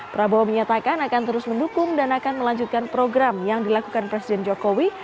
prabowo menyatakan akan terus mendukung dan akan melanjutkan program yang dilakukan presiden jokowi